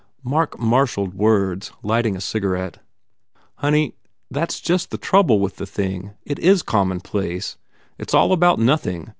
Mark marshalled words, lighting a cigarette. "Honey, that s just the trouble with the thing. It is commonplace. It s all about nothing.